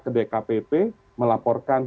ke dkpp melaporkan